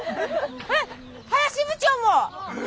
えっ林部長も！